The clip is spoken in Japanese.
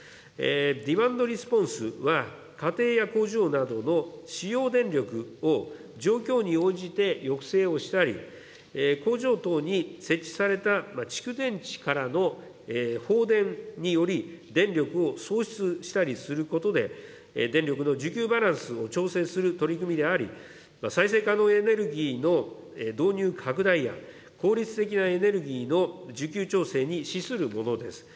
ディマンドレスポンスには家庭や工場などの使用電力を状況に応じて抑制をしたり、向上等に設置された蓄電池からの放電により電力を送出したりすることで、電力の需給バランスを調整する取り組みであり、再生可能エネルギーの導入拡大や、効率的なエネルギーの需給調整に資するものです。